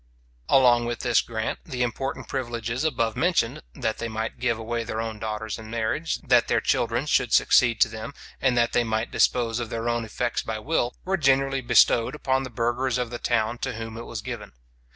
Along with this grant, the important privileges, above mentioned, that they might give away their own daughters in marriage, that their children should succeed to them, and that they might dispose of their own effects by will, were generally bestowed upon the burghers of the town to whom it was given.